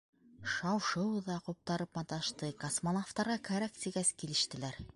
Шау-шыу ҙа ҡуптарып маташты, космонавтарға кәрәк тигәс, килештеләр.